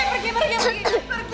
pergi pergi pergi